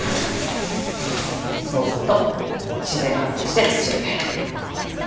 そうすると自然発酵して土に返る。